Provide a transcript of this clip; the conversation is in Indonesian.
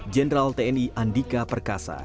jenderal tni andika perkasa